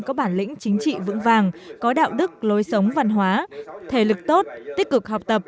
có bản lĩnh chính trị vững vàng có đạo đức lối sống văn hóa thể lực tốt tích cực học tập